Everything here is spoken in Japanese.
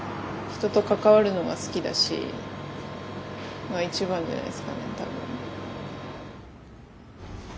人と関わるのが好きだしが一番じゃないですかね多分。